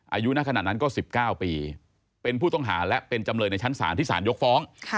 อายุณขณะนั้นก็๑๙ปีเป็นผู้ต้องหาและเป็นจำเลยในชั้นศาลที่สารยกฟ้อง